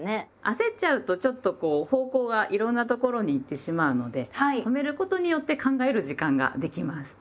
焦っちゃうとちょっと方向がいろんなところに行ってしまうので止めることによって考える時間ができます。